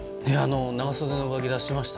長袖の上着出しました。